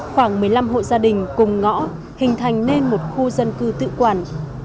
khoảng một mươi năm hộ gia đình cùng ngõ hình thành nên một khu dân cư tự quản